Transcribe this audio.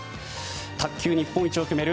卓球日本一を決める